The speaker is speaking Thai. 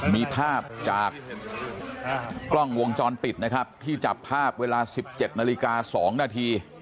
มีภาพจากกล้องวงจรปิดนะครับที่จับภาพเวลา๑๗นาฬิกา๒นาที